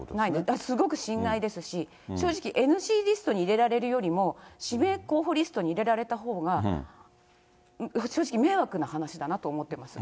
だからすごく心外ですし、正直ＮＧリストに入れられるよりも、氏名候補リストに入れられたほうが、正直迷惑な話だと思ってます。